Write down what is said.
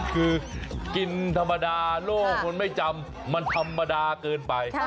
คือกินธรรมดาโลกคนไม่จำมันธรรมดาเกินไป